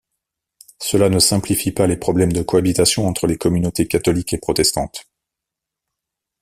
Cela ne simplifie pas les problèmes de cohabitation entre les communautés catholique et protestante.